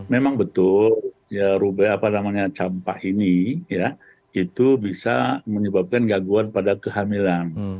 memang betul ya rube apa namanya campak ini itu bisa menyebabkan gangguan pada kehamilan